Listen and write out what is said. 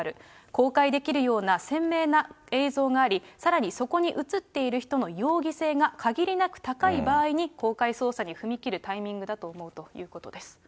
公開できるような鮮明な映像があり、さらにそこに写っている人の容疑性がかぎりなく高い場合に、公開捜査に踏み切るタイミングだと思うということです。